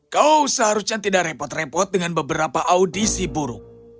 kau seharusnya tidak repot repot dengan beberapa audisi buruk